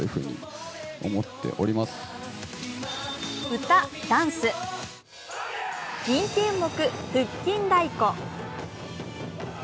歌、ダンス、人気演目、腹筋太鼓。